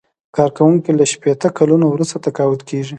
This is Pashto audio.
کارکوونکی له شپیته کلونو وروسته تقاعد کیږي.